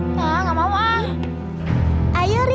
nggak nggak mau